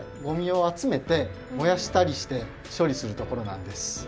ごみをあつめてもやしたりしてしょりするところなんです。